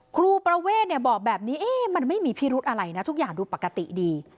ครูประเวทบอกแบบนี้มันไม่มีพิรุธอะไรนะทุกอย่างดูปกติดี